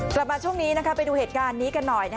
กลับมาช่วงนี้ไปดูเหตุการณ์นี้กันหน่อย